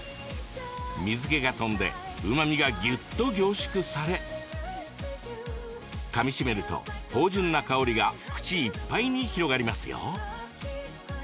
水けが飛んでうまみがぎゅっと凝縮されかみしめると芳じゅんな香りが口いっぱいに広がりますよ。